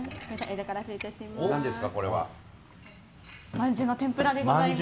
まんじゅうの天ぷらでございます。